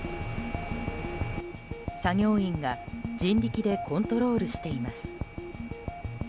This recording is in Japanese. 作業員が人力でコントロールしています。